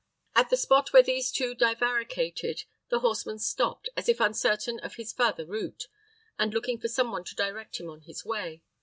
At the spot where these two divaricated, the horseman stopped, as if uncertain of his farther route, and looking for some one to direct him on his way.